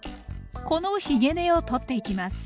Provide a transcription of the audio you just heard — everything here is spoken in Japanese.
このひげ根を取っていきます。